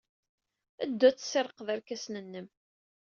Ddu ad tessirrqeḍ irkasen-nnem!